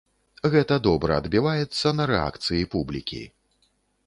Гэта добра адбіваецца на рэакцыі публікі!